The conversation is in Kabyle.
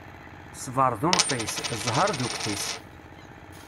Ṣṣbeṛ d unqis, ẓẓheṛ d ukḥis.